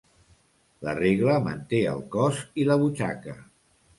La regla manté el cos i la butxaca.